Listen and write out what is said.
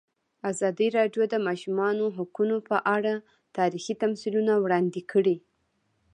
ازادي راډیو د د ماشومانو حقونه په اړه تاریخي تمثیلونه وړاندې کړي.